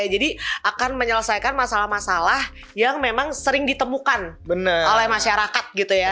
akan menyelesaikan masalah masalah yang memang sering ditemukan oleh masyarakat gitu ya